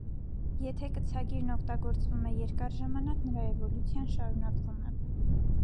Եթե կցագիրն օգտագործվում է երկար ժամանակ, նրա էվոլյուցիան շարունակվում է։